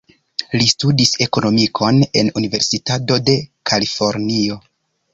Li studis ekonomikon en Universitato de Kalifornio.